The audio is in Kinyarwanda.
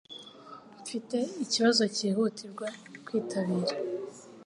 Mfite ikibazo cyihutirwa kwitabira.